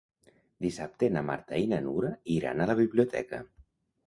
Dissabte na Marta i na Nura iran a la biblioteca.